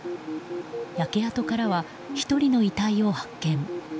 焼け跡からは１人の遺体を発見。